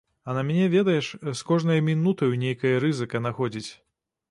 А на мяне ведаеш, з кожнай мінутаю нейкая рызыка находзіць.